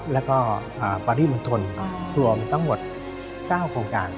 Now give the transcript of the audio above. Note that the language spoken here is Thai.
แล้วก็ปริมณฑลรวมทั้งหมด๙โครงการ